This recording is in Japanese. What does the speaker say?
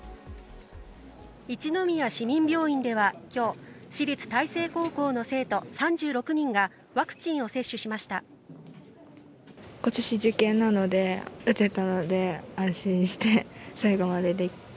一宮市民病院では今日私立大成高校の生徒３６人がワクチンを接種しました。